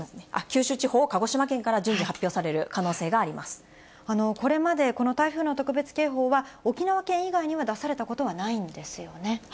九州地方、鹿児島県から順次、これまで、この台風の特別警報は、沖縄県以外には出されたことはないんですよね。